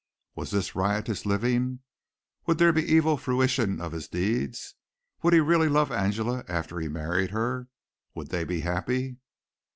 Was this riotous living? Would there be evil fruition of his deeds? Would he really love Angela after he married her? Would they be happy?